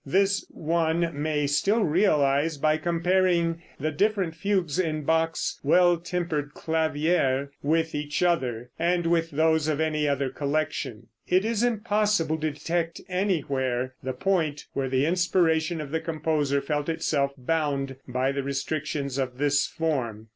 This, one may still realize by comparing the different fugues in Bach's "Well Tempered Clavier" with each other, and with those of any other collection. It is impossible to detect anywhere the point where the inspiration of the composer felt itself bound by the restrictions of this form.